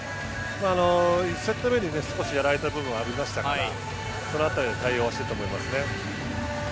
１セット目に少しやられた部分はありましたからその辺りの対応をしたと思いますね。